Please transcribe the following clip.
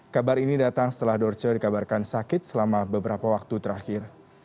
kabar ini datang setelah dorce dikabarkan sakit selama beberapa waktu terakhir